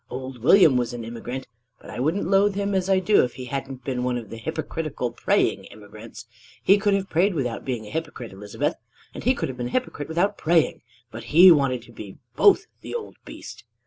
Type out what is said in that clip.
Old William was an immigrant! But I wouldn't loathe him as I do if he hadn't been one of the hypocritical praying immigrants. He could have prayed without being a hypocrite, Elizabeth; and he could have been a hypocrite without praying; but he wanted to be both, the old beast!"